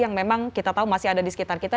yang memang kita tahu masih ada di sekitar kita